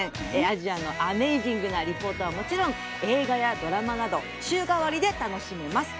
アジアのアメージングなリポートはもちろん映画やドラマなど週替わりで楽しめます。